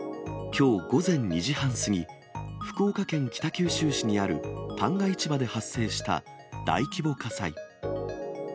きょう午前２時半過ぎ、福岡県北九州市にある旦過市場で発生した大規模火災。